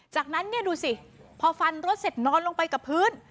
จากนั้นเนี่ยดูสิพอฟันรถเสร็จนอนลงไปกับพื้น